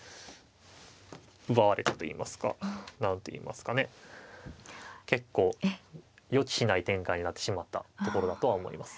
奪われたといいますか何といいますかね結構予期しない展開になってしまったところだとは思います。